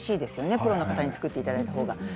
プロの方に作っていただいたほうが。